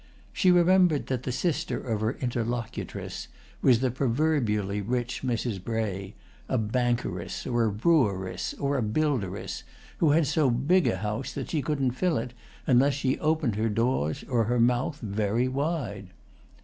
She remembered that the sister of her interlocutress was the proverbially rich Mrs. Bray, a bankeress or a breweress or a builderess, who had so big a house that she couldn't fill it unless she opened her doors, or her mouth, very wide.